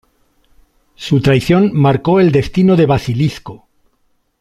Su traición marcó el destino de Basilisco.